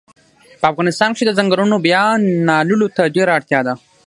په افغانستان کښی د ځنګلونو بیا نالولو ته ډیره اړتیا ده